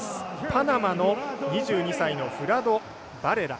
パナマの２２歳のフラドバレラ。